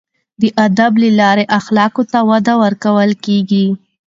د ادب له لارې اخلاقو ته وده ورکول کیږي.